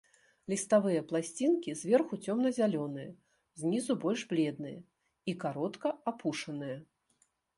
Ліставыя пласцінкі зверху цёмна-зялёныя, знізу больш бледныя і каротка апушаныя.